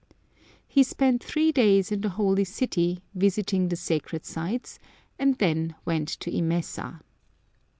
He spent three days in the Holy City, visiting the sacred sites, and then went to Emesa.